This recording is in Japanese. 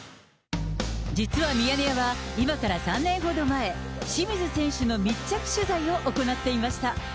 実はミヤネ屋は今から３年ほど前、清水選手の密着取材を行っていました。